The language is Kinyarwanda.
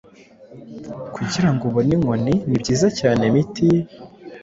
Kugirango ubone Inkoni, nibyiza cyane mit